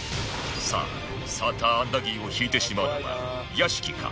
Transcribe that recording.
さあサーターアンダギーを引いてしまうのは屋敷か？